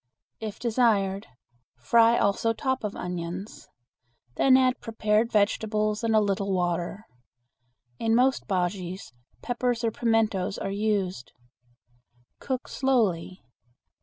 If desired, fry also top of onions. Then add prepared vegetables and a little water. In most bujeas, peppers or pimentos are used. Cook slowly.